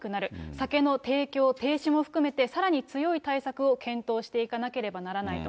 酒の提供停止も含めて、さらに強い対策を検討していかなければならないと。